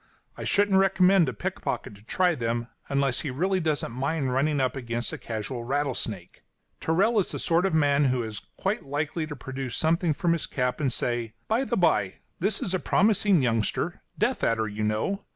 I shouldn't recommend a pickpocket to try them, unless he really doesn't mind running against a casual rattlesnake. Tyrrell is the sort of man who is quite likely to produce something from his cap and say: "By the bye, this is a promising youngster death adder, you know.